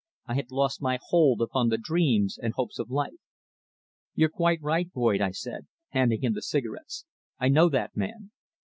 I had lost my hold upon the dreams and hopes of life. "You're quite right, Boyd," I said, handing him the cigarettes. "I know that man."